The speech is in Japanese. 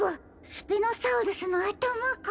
スピノサウルスのあたまか。